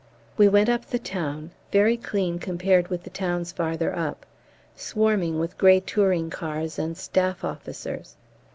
We went up the town very clean compared with the towns farther up swarming with grey touring cars and staff officers.